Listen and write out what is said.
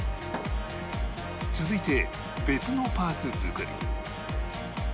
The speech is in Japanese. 続いて別のパーツ作り